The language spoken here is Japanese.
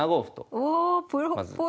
おプロっぽい。